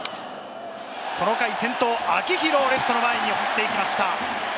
この回、先頭・秋広、レフトの前に運んでいきました。